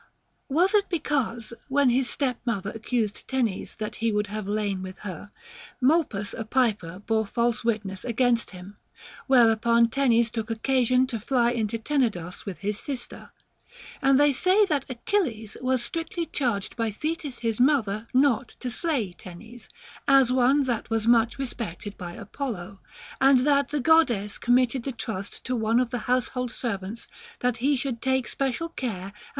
Was it because, when his step mother accused Tenes that he would have lain with her, Molpus a piper bore false witness against him ; whereupon Tenes took oc casion to fly into Tenedos with his sister? And they say that Achilles was strictly charged by Thetis his mother not to slay Tenes, as one that was much respected by Apollo, and that the Goddess committed the trust to one of the household servants that he should take special care and 278 THE GREEK QUESTIONS.